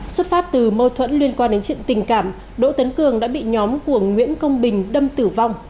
xuất phát từ mâu thuẫn liên quan đến chuyện tình cảm đỗ tấn cường đã bị nhóm của nguyễn công bình đâm tử vong